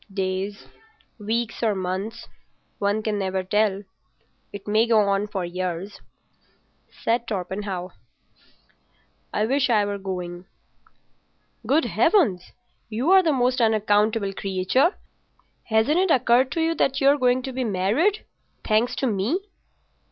"Days, weeks, or months. One can never tell. It may go on for years." "I wish I were going." "Good Heavens! You're the most unaccountable creature! Hasn't it occurred to you that you're going to be married—thanks to me?"